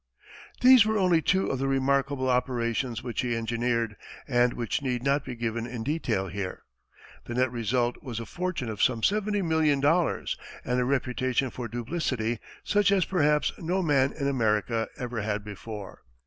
These were only two of the remarkable operations which he engineered, and which need not be given in detail here. The net result was a fortune of some seventy million dollars, and a reputation for duplicity such as perhaps no man in America ever had before.